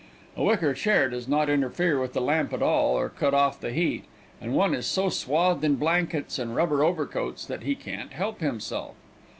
A wicker chair does not interfere with the lamp at all, or cut off the heat, and one is so swathed in blankets and rubber overcoats that he can't help himself.